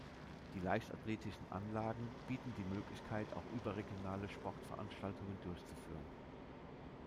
Die leichtathletischen Anlagen bieten die Möglichkeit, auch überregionale Sportveranstaltungen durchzuführen.